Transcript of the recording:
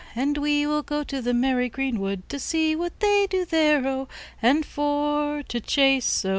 And we will go to the merry green wood To see what they do there, O! And for to chase, O!